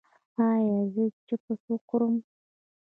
ایا زه چپس وخورم؟